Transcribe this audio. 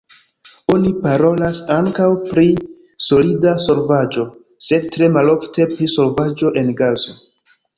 Oni parolas ankaŭ pri solida solvaĵo, sed tre malofte pri solvaĵo en gaso.